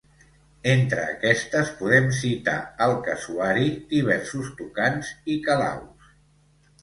Entre aquestes, podem citar el Casuari, diversos tucans i calaus.